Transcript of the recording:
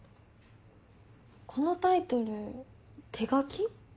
このタイトル手書き？